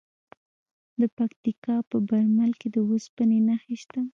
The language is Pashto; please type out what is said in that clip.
د پکتیکا په برمل کې د اوسپنې نښې شته.